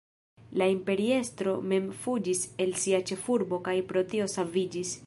La imperiestro mem fuĝis el sia ĉefurbo kaj pro tio saviĝis.